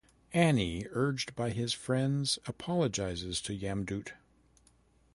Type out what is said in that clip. Annie, urged by his friends, apologises to Yamdoot.